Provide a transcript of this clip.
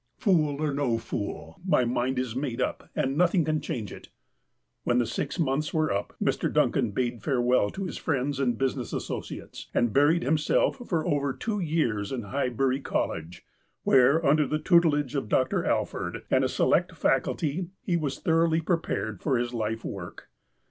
"Fool or no fool, my mind is made up, and nothing can change it." When the six months were up, Mr. Duncan bade fare well to his friends and business associates, and buried liimsclf for over two years in Highbury College, where, under the tutelage of Dr. Alford and a select faculty, he wa.s thorouglily prepared for his life work.